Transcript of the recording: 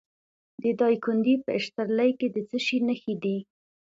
د دایکنډي په اشترلي کې د څه شي نښې دي؟